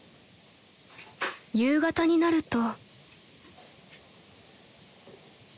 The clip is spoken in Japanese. ［夕方になると］